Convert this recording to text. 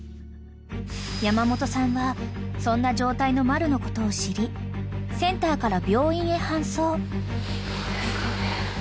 ［山本さんはそんな状態のマルのことを知りセンターから病院へ搬送］